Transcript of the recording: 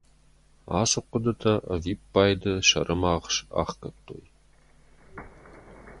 Ацы хъуыдытӕ ӕвиппайды сӕрымагъз ахгӕдтой.